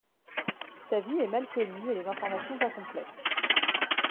Sa vie est mal connue et les informations incomplètes.